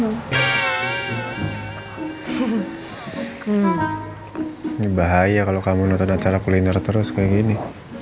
hmm ini bahaya kalau kamu nonton acara kuliner terus kayak gini